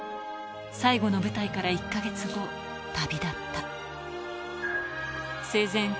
最後の舞台から１か月後、旅立った。